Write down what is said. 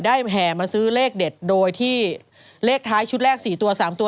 แห่มาซื้อเลขเด็ดโดยที่เลขท้ายชุดแรก๔ตัว๓ตัว